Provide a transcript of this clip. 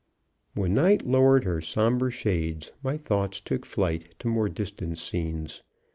When night lowered her sombre shades, my thoughts took flight to more distant scenes.